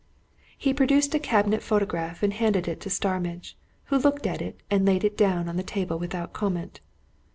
He produced a cabinet photograph and handed it to Starmidge, who looked at it and laid it down on the table without comment.